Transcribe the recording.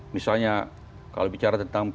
misalnya kalau bicara tentang